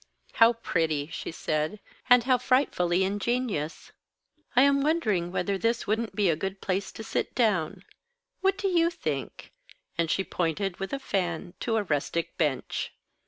"How pretty," she said, "and how frightfully ingenious. I am wondering whether this wouldn't be a good place to sit down. What do you think?" And she pointed with a fan to a rustic bench.